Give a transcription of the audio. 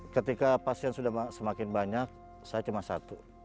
ketika pasien sudah semakin banyak saya cuma satu